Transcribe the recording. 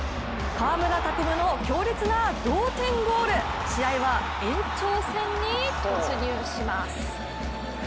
川村拓夢の強烈な同点ゴール試合は延長戦に突入します。